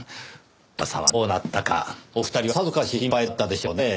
斗ヶ沢がどうなったかお二人はさぞかし心配だったでしょうねぇ。